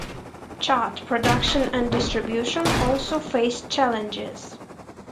Chart production and distribution also faced challenges.